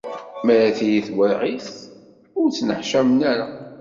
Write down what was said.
Mi ara d-tili twaɣit, ur ttneḥcamen ara.